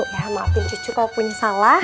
ya maafin cucu kalau punya salah